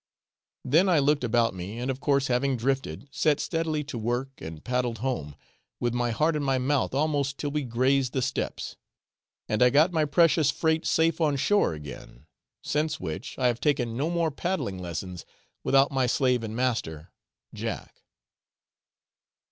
Then I looked about me, and of course having drifted, set steadily to work and paddled home, with my heart in my mouth almost till we grazed the steps, and I got my precious freight safe on shore again, since which I have taken no more paddling lessons without my slave and master, Jack.